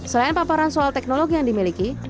selain paparan soal teknologi yang dimiliki